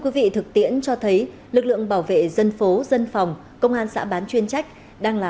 quý vị thực tiễn cho thấy lực lượng bảo vệ dân phố dân phòng công an xã bán chuyên trách đang là